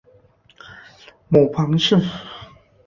母庞氏。